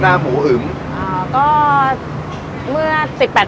ประกาศรายชื่อพศ๒๕๖๑